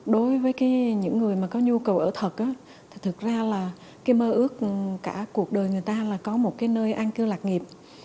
đối với những người mà có nhu cầu ở thật thì thực ra là cái mơ ước cả cuộc đời người ta là có một cái nơi an cư lạc nghiệp